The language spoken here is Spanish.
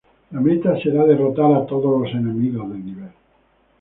La meta será derrotar a todos los enemigos del nivel.